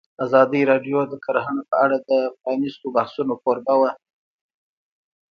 ازادي راډیو د کرهنه په اړه د پرانیستو بحثونو کوربه وه.